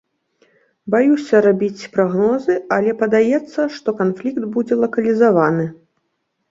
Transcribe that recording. Баюся рабіць прагнозы, але падаецца, што канфлікт будзе лакалізаваны.